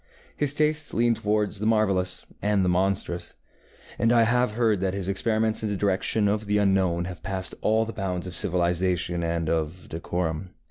His tastes leaned toward the marvellous and the monstrous, and I have heard that his experiments in the direction of the unknown have passed all the bounds of civilization and of decorum.